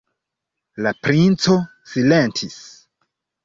La princo silentis.